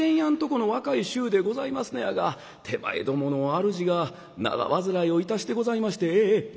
この若い衆でございますねやが手前どものあるじが長患いをいたしてございまして。